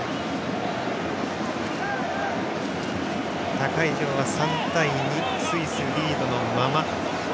他会場は３対２でスイスリードのまま。